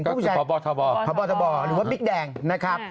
ก็คือพบทบพบทบหรือว่าบิ๊กแดงนะครับ